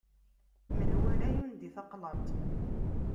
Menwala yundi taqlaḍt.